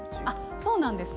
そうなんですよ。